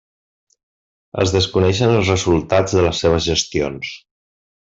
Es desconeixen els resultats de les seves gestions.